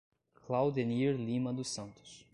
Claudenir Lima dos Santos